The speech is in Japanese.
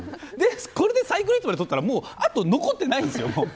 これでサイクルヒットまで取ったらあと残ってないんですよ。